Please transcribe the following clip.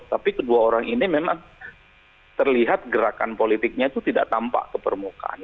tapi kedua orang ini memang terlihat gerakan politiknya itu tidak tampak ke permukaan